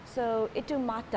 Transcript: jadi itu mata